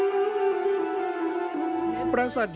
ซึ่งมีความชุมโยงและสอดคล้องกับการวางผังเมืองและตำแหน่ง